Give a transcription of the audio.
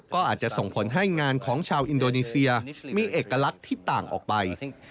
ก็อาจจะส่งผลให้งานของชาวอินโดนีเซียมีเอกลักษณ์ที่ต่างออกไป